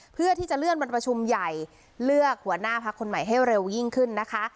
เพื่อที่จะเลื่อนวันประชุมใหญ่เลือกหัวหน้าพักคนใหม่ให้เร็วยิ่งขึ้นนะคะ